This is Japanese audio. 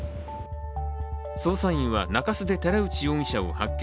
捜査員は中洲で寺内容疑者を発見。